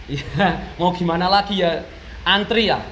iya mau gimana lagi ya antri ya